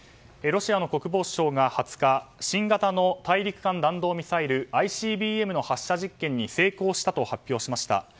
ロシアの国防省が２０日新型の大陸間弾道ミサイルＩＣＢＭの発射実験に成功したと発表しました。